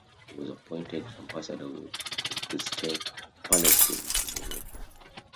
He was appointed ambassador of the State of Palestine to Morocco.